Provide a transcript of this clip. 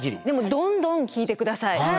でもどんどん聞いて下さい。